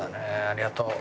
ありがとう。